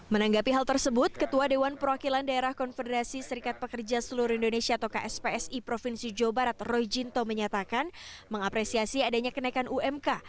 menanggapi hal tersebut ketua dewan perwakilan daerah konfederasi serikat pekerja seluruh indonesia atau kspsi provinsi jawa barat roy jinto menyatakan mengapresiasi adanya kenaikan umk